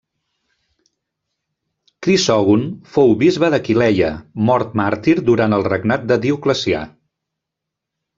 Crisògon fou bisbe d'Aquileia, mort màrtir durant el regnat de Dioclecià.